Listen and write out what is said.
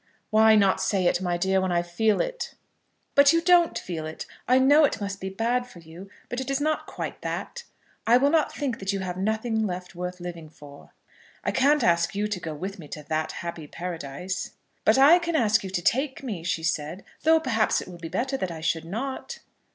"Why not say it, my dear, when I feel it?" "But you don't feel it. I know it must be bad for you, but it is not quite that. I will not think that you have nothing left worth living for." "I can't ask you to go with me to that happy Paradise." "But I can ask you to take me," she said; "though perhaps it will be better that I should not."